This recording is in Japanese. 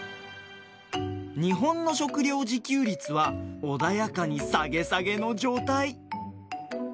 日本の食料自給率は穏やかにサゲサゲの状態。